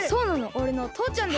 おれのとうちゃんです。